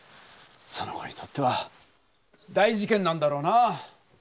その子にとっては大事けんなんだろうな。